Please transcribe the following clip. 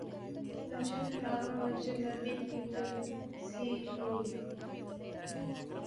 مسجد حرام اور مسجد نبوی کی توسیع ہوئی